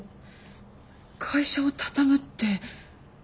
会社を畳むって。